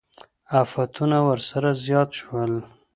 افتونه ورسره زیات شول.